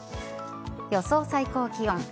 予想最高気温。